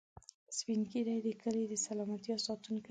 سپین ږیری د کلي د سلامتیا ساتونکي دي